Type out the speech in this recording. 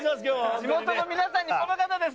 地元の皆さんにこの方です。